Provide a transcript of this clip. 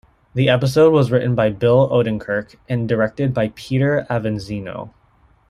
The episode was written by Bill Odenkirk and directed by Peter Avanzino.